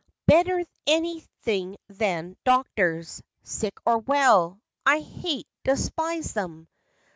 " Better any thing than doctors, Sick or well. I hate, despise them